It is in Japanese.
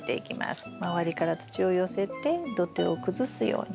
周りから土を寄せて土手を崩すように。